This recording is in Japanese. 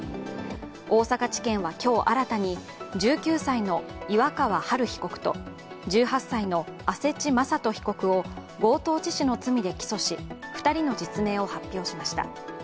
大阪地検は今日新たに１９歳の岩川榛被告と１８歳の阿世知雅斗被告を強盗致死の罪で起訴し２人の実名を発表しました。